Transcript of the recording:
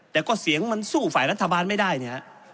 แต่ก็เสียงมันสู้ฝ่ายรัฐบาลไม่ได้เนี่ย